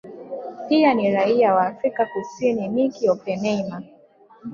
Pia ni raia wa Afrika Kusini Nicky Oppenheimer